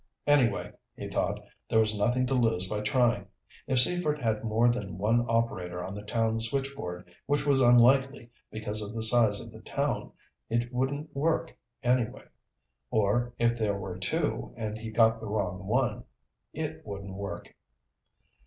Anyway, he thought, there was nothing to lose by trying. If Seaford had more than one operator on the town switchboard, which was unlikely because of the size of the town, it wouldn't work, anyway. Or, if there were two and he got the wrong one it wouldn't work.